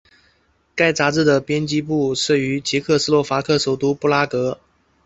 该杂志的编辑部设于捷克斯洛伐克首都布拉格。